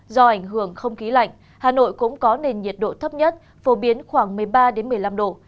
do ảnh hưởng không khí lạnh hà nội cũng có nền nhiệt độ thấp nhất phổ biến khoảng một mươi ba một mươi năm độ